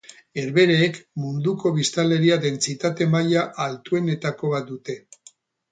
Herbehereek munduko biztanleria dentsitate maila altuenetako bat dute.